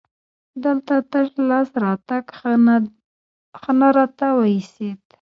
دلته تش لاس راتګ ښه نه راته وایسېد.